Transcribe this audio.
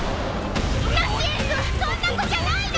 ナシエンスはそんな子じゃないの！